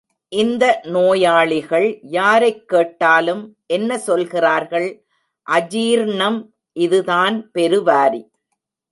இந்த நோயாளிகள் யாரைக் கேட்டாலும் என்ன சொல்கிறார்கள் அஜீர்ணம் இதுதான் பெருவாரி.